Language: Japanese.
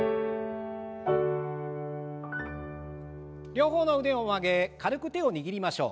両方の腕を上げ軽く手を握りましょう。